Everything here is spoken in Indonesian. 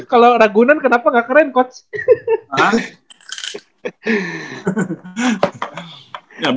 kalau ragunan kenapa nggak keren coach